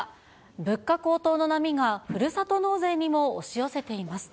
物価高騰の波が、ふるさと納税にも押し寄せています。